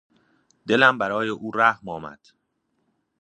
دلم برای او رحم آمد.